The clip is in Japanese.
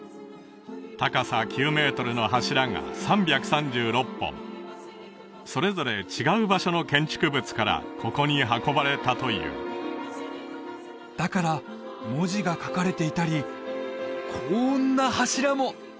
高さ９メートルの柱が３３６本それぞれ違う場所の建築物からここに運ばれたというだから文字が書かれていたりこんな柱も！